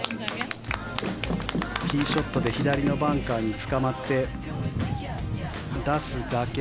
ティーショットで左のバンカーにつかまって出すだけ。